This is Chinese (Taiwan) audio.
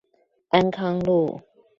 安康路